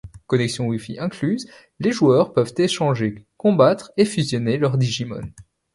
Connexion wi-fi incluse, les joueurs peuvent échanger, combattre et fusionner leurs digimon.